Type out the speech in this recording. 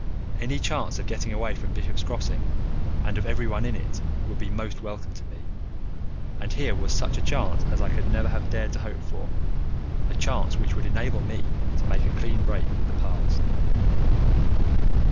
Any chance of getting away from Bishop's Crossing and of everyone in it would be most welcome to me. And here was such a chance as I could never have dared to hope for, a chance which would enable me to make a clean break with the past.